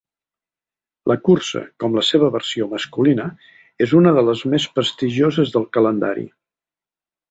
La cursa, com la seva versió masculina, és una de les més prestigioses del calendari.